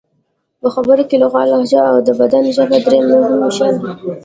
په خبرو کې لغت، لهجه او د بدن ژبه درې مهم شیان دي.